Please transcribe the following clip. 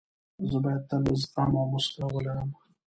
زه باید تل زغم او موسکا ولرم.